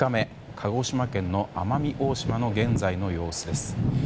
鹿児島県の奄美大島の現在の様子です。